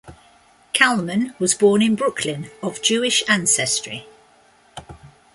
Kallman was born in Brooklyn of Jewish ancestry.